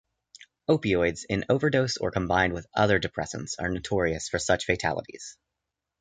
Opioids, in overdose or combined with other depressants, are notorious for such fatalities.